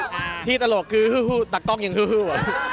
คือที่ตลกคือฮื้อฮื้อตักต้องอย่างฮื้อฮื้อ